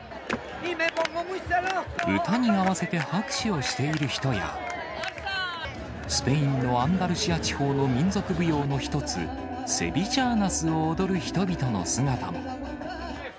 歌に合わせて拍手をしている人や、スペインのアンダルシア地方の民族舞踊の一つ、セビジャーナスを踊る人々の姿も。